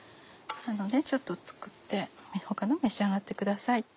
ちょっと作って他のも召し上がってください。